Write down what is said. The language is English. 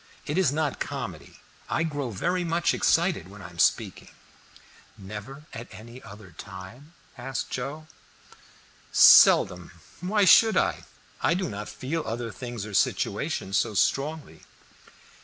It is not comedy. I grow very much excited when I am speaking." "Never at any other time?" asked Joe. "Seldom; why should I? I do not feel other things or situations so strongly."